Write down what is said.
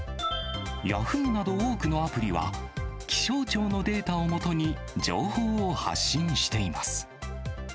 ヤフーなど多くのアプリは、気象庁のデータを基に、情報を発信しています。